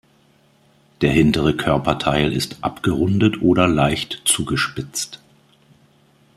Der hintere Körperteil ist abgerundet oder leicht zugespitzt.